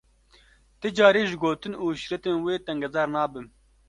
Ti carî ji gotin û şîretên wê tengezar nabim.